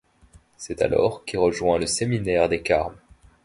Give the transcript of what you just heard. C'est alors qu'il rejoint le séminaire des Carmes.